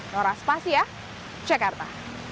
noras pas ya cekarta